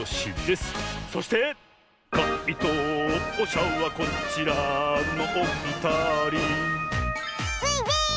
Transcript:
「かいとうしゃはこちらのおふたり」スイです！